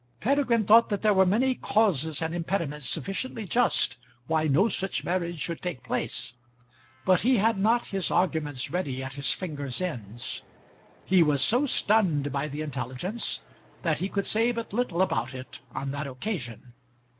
Peregrine thought that there were many causes and impediments sufficiently just why no such marriage should take place, but he had not his arguments ready at his fingers' ends. He was so stunned by the intelligence that he could say but little about it on that occasion.